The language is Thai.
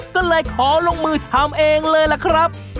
ก็เลยขอลงมือทำเองเลยล่ะครับ